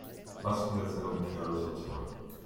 Was findet sie an dem Kerl so toll?